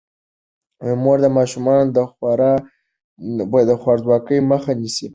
مور د ماشومانو د خوارځواکۍ مخه نیسي.